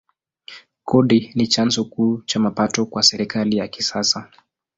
Kodi ni chanzo kuu cha mapato kwa serikali ya kisasa.